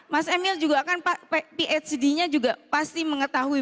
mas emil juga kan phd nya juga pasti mengetahui